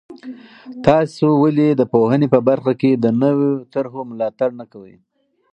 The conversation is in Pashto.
تاسې ولې د پوهنې په برخه کې د نویو طرحو ملاتړ نه کوئ؟